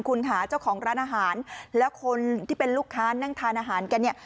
คุณค่ะเจ้าของร้านอาหารแล้วคนที่เป็นลูกค้านั่งทานอาหารกันเนี่ย